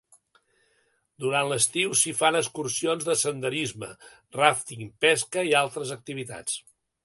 Durant l'estiu s'hi fan excursions de senderisme, ràfting, pesca i altres activitats.